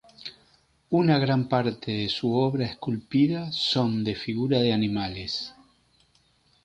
Una gran parte de su obra esculpida son de figuras de animales.